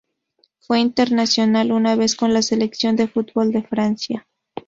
Fue internacional una vez con la selección de fútbol de Francia.